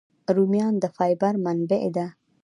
رومیان د فایبر منبع دي